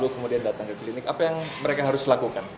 kemudian datang ke klinik apa yang mereka harus lakukan